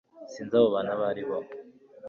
sinzi abo bantu abo ari bo